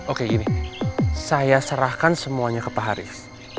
oke gini saya serahkan semuanya ke pak haris